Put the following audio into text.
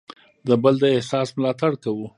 د بل د احساس ملاتړ کوو.